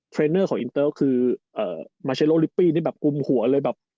เทรเนอร์ของอินเตอร์คือมาเชโรลิปปีคุมหัวเลยแบบ